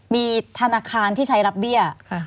มีธนาคารที่ใช้รับเบี้ย